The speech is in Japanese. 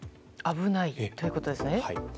危ないということですね。